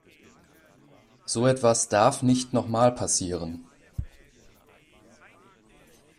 So etwas darf nicht noch mal passieren.